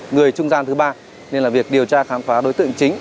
người trung gian thứ ba nên là việc điều tra khám phá đối tượng chính